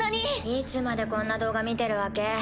いつまでこんな動画見てるわけ？